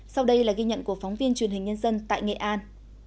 sau đây là ghi nhận của phóng viên truyền hình nhân dân tại nghệ an